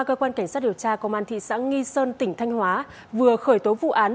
cơ quan cảnh sát điều tra công an thị xã nghi sơn tỉnh thanh hóa vừa khởi tố vụ án